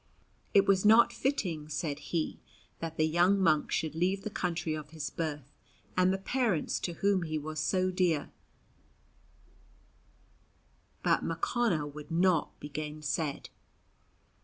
It was not fitting, said he, that the young monk should leave the country of his birth and the parents to whom he was so dear; but Mochonna would not be gainsaid.